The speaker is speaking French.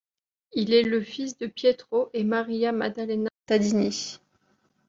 Il est le fils de Pietro et Maria Maddalena Tadini.